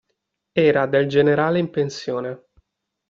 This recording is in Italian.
Era del generale in pensione.